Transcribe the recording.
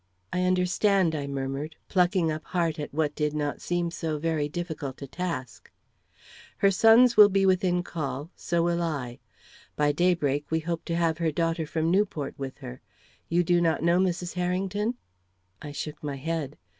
"I understand," I murmured, plucking up heart at what did not seem so very difficult a task. "Her sons will be within call; so will I. By daybreak we hope to have her daughter from Newport with her. You do not know Mrs. Harrington?" I shook my head.